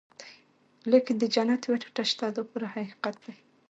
لیکن د جنت یوه ټوټه شته دا پوره حقیقت دی.